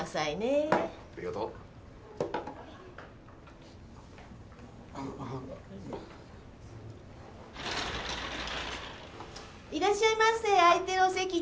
いらっしゃいませ。